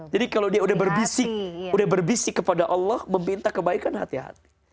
jadi kalau dia udah berbisik kepada allah meminta kebaikan hati hati